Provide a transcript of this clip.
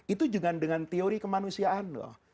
itu dengan teori kemanusiaan loh